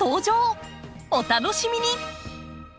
お楽しみに！